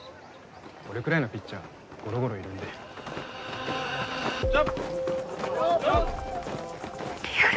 俺くらいのピッチャーゴロゴロいるんでちわっリアル